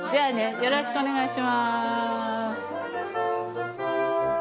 よろしくお願いします。